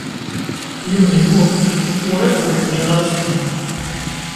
Yiwen yemmut, wayeḍ d lḥenni ara s-qqnen.